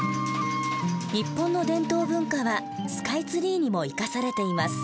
日本の伝統文化はスカイツリーにも生かされています。